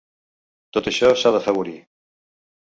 Tot això s’ha d’afavorir.